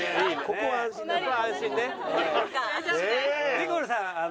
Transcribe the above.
ニコルさん。